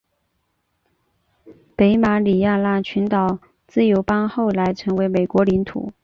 北马里亚纳群岛自由邦后来成为美国领土。